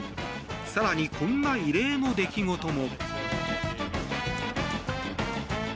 更に、こんな異例の出来事も。